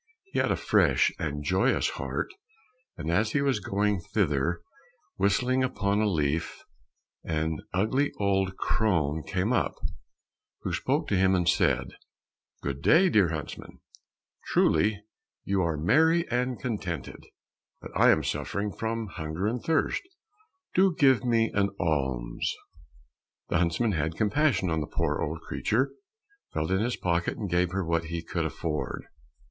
He had a fresh and joyous heart, and as he was going thither, whistling upon a leaf, an ugly old crone came up, who spoke to him and said, "Good day, dear huntsman, truly you are merry and contented, but I am suffering from hunger and thirst, do give me an alms." The huntsman had compassion on the poor old creature, felt in his pocket, and gave her what he could afford.